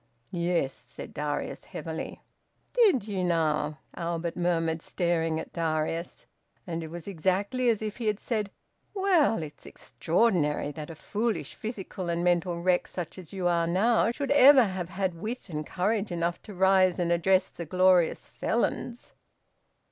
"Yes," said Darius heavily. "Did you now!" Albert murmured, staring at Darius. And it was exactly as if he had said, "Well, it's extraordinary that a foolish physical and mental wreck such as you are now, should ever have had wit and courage enough to rise and address the glorious Felons!"